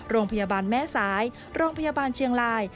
โรงพยาบาลแม่สายโรงพยาบาลเชียงราย